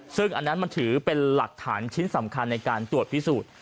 ซึ่งอันนั้นมันถือเป็นหลักฐานชิ้นสำคัญในการตรวจพิสูจน์